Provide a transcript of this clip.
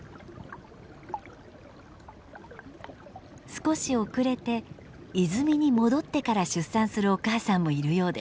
少し遅れて泉に戻ってから出産するお母さんもいるようです。